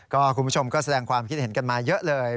คุณผู้ชมก็แสดงความคิดเห็นกันมาเยอะเลย